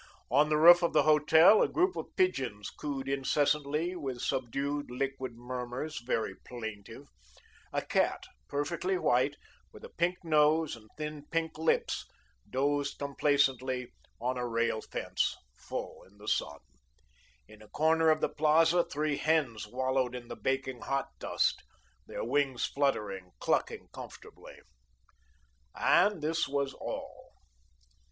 On the roof of the hotel a group of pigeons cooed incessantly with subdued, liquid murmurs, very plaintive; a cat, perfectly white, with a pink nose and thin, pink lips, dozed complacently on a fence rail, full in the sun. In a corner of the Plaza three hens wallowed in the baking hot dust their wings fluttering, clucking comfortably. And this was all.